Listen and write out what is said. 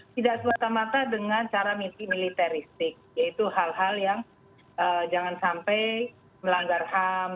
tidak semata mata dengan cara misi militeristik yaitu hal hal yang jangan sampai melanggar ham